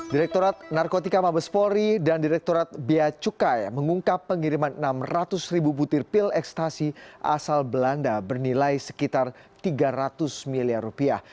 direkturat narkotika mabes polri dan direkturat bea cukai mengungkap pengiriman enam ratus ribu butir pil ekstasi asal belanda bernilai sekitar tiga ratus miliar rupiah